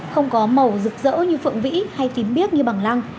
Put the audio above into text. không có màu rực rỡ như phượng vĩ hay tím biếc như bằng lăng